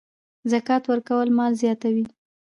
زکات ورکول مال زیاتوي.